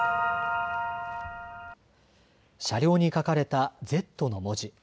車両に書かれたＺの文字。